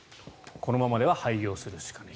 このままでは廃業するしかない。